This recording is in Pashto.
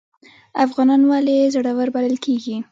افغانان ولې زړور بلل کیږي؟